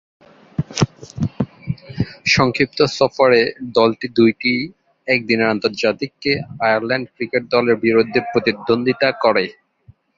সংক্ষিপ্ত সফরে দলটি দুইটি একদিনের আন্তর্জাতিকে আয়ারল্যান্ড ক্রিকেট দলের বিরুদ্ধে প্রতিদ্বন্দ্বিতা করে।